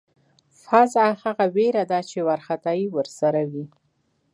فذع هغه وېره ده چې وارخطایی ورسره وي.